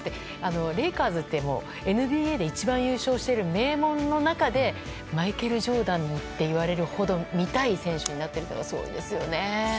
レイカーズってＮＢＡで一番優勝してる名門の中でマイケル・ジョーダンっていわれるほど見たい選手になっているのがすごいですよね。